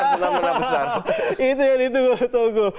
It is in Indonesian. itu yang ditunggu tunggu